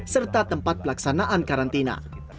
serta tempat pelaksanaan karantina